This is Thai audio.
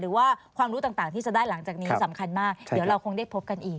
หรือว่าความรู้ต่างที่จะได้หลังจากนี้สำคัญมากเดี๋ยวเราคงได้พบกันอีก